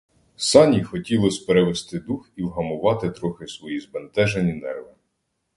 Сані хотілось перевести дух і вгамувати трохи свої збентежені нерви.